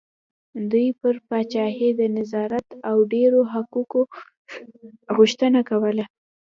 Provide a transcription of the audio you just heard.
دوی پر پاچاهۍ د نظارت او ډېرو حقوقو غوښتنه کوله.